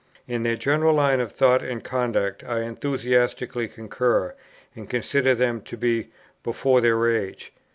In their general line of thought and conduct I enthusiastically concur, and consider them to be before their age.